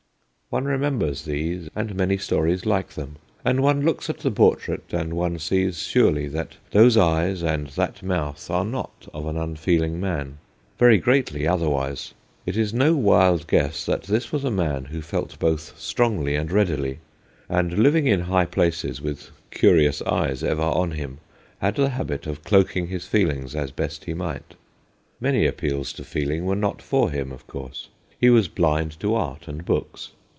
One remembers these and many stories like them, and one looks at the portrait and one sees surely that those eyes and that mouth are not of an unfeeling man. Very greatly otherwise. It is no wild guess that this was a man who felt both strongly and readily ; and, living in high places with curious eyes ever on him, had the habit of cloaking his feelings as best he might. Many appeals to feeling were not for him, of course. He was blind to art and books.